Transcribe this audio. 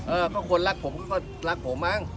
เออก็คนรักผมก็รักผมมั้ง